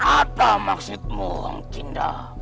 apa maksudmu hang cinda